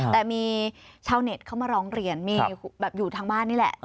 แต่มีชาวเน็ตเขามาร้องเรียนมีแบบอยู่ทางบ้านนี่แหละ